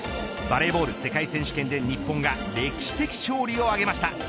バレーボール世界選手権で日本が歴史的勝利をあげました。